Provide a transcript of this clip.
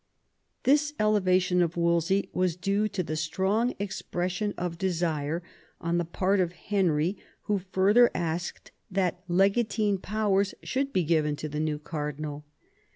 This elevation of Wolsey was due to the strong expression of desire on the part of Henry, who further asked that legatine powers should be given to the new cardinal.